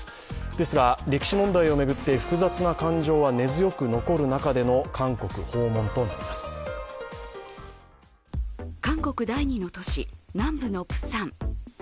ですが、歴史問題を巡って複雑な感情は根強く残る形での韓国第二の都市、南部のプサン。